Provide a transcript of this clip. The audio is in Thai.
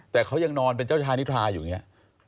แต่เขายังนอนเป็นเจ้าชายนิทราอยู่อย่างนี้